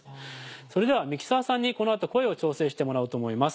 それではミキサーさんにこの後声を調整してもらおうと思います